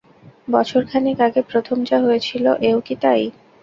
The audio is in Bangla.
বছরখানিক আগে প্রথম যা হয়েছিল, এও কি তাই?